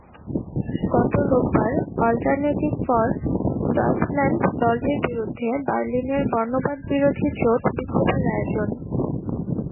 গত রোববার alternative for Deutschland দলটির বিরুদ্ধে বার্লিনের বর্ণবাদবিরোধী জোট বিক্ষোভের আয়োজন।